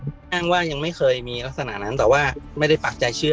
สุดท้ายก็ไม่มีทางเลือกที่ไม่มีทางเลือก